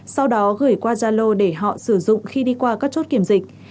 sau đó gửi qua gia lô để họ sử dụng khi đi qua các chốt kiểm dịch